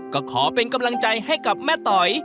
ก็ขอเป็นกำลังใจให้กับแม่ต๋อย